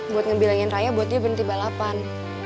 buat ngebilangin raya buat dia berhenti balapan